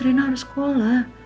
rina harus sekolah